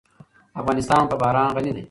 افغانستان په باران غني دی.